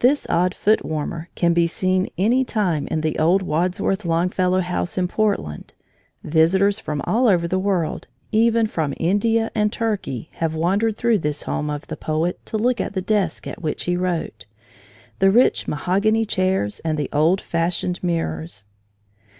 This odd foot warmer can be seen any time in the old Wadsworth Longfellow house in Portland. Visitors from all over the world, even from India and Turkey, have wandered through this home of the poet to look at the desk at which he wrote, the rich mahogany chairs, and the old fashioned mirrors.